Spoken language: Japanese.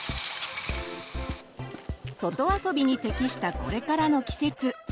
外遊びに適したこれからの季節。